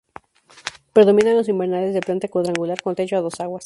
Predominan los invernales de planta cuadrangular con techo a dos aguas.